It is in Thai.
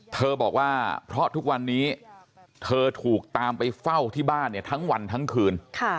เธอบอกว่าเพราะทุกวันนี้เธอถูกตามไปเฝ้าที่บ้านเนี่ยทั้งวันทั้งคืน